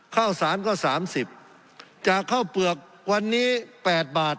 ข้าวสารก็สามสิบจะข้าวเปลือกวันนี้แปดบาท